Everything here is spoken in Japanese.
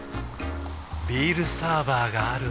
ビールサーバーがある夏。